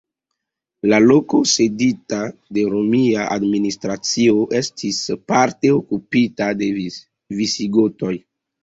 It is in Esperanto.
La loko cedita de romia administracio estis parte okupita de Visigotoj.